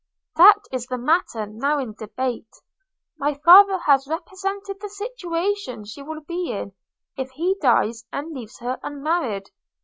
'That is the matter now in debate. My father has represented the situation she will be in, if he dies and leaves her unmarried.